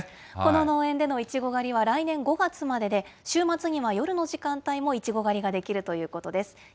この農園でのいちご狩りは来年５月までで、週末には夜の時間帯もいちご狩りができるということです。